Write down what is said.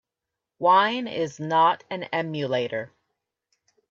Wine is not an emulator.